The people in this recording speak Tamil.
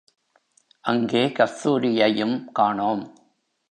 அங்கே கஸ்தூரியையும் காணோம்!